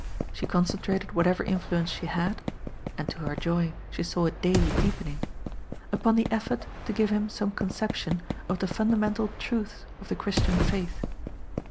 She concentrated whatever influence she had — and to her joy she 828 GOD*S POOL. saw it daily deepening — ^npon the effort to give him some conception of the fundamental truths of the Christian Faith.